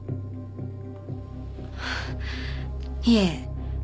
いえ